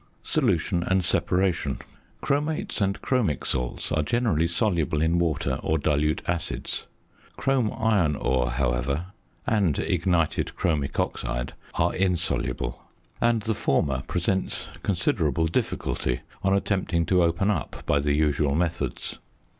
~Solution and Separation.~ Chromates and chromic salts are generally soluble in water or dilute acids. Chrome iron ore, however, and ignited chromic oxide are insoluble; and the former presents considerable difficulty on attempting to open up by the usual methods.